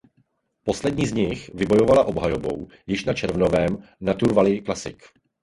Poslední z nich vybojovala obhajobou již na červnovém Nature Valley Classic.